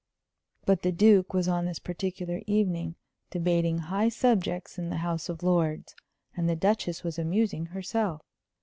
But the Duke was on this particular evening debating high subjects in the House of Lords, and the Duchess was amusing herself.